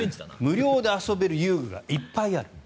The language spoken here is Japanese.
無料で遊べる遊具がいっぱいある。